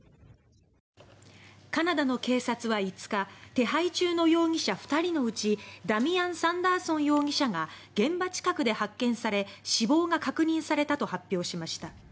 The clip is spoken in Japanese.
カナダの警察は５日手配中の容疑者２人のうちダミアン・サンダーソン容疑者が現場近くで発見され死亡が確認されたと発表しました。